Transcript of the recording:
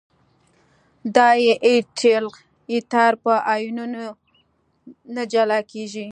دای ایتایل ایتر په آیونونو نه جلا کیږي.